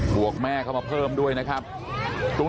เฮ้ยเฮ้ยเฮ้ยเฮ้ยเฮ้ยเฮ้ยเฮ้ยเฮ้ย